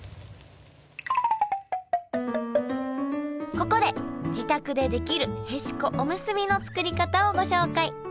ここで自宅でできるへしこおむすびの作り方をご紹介。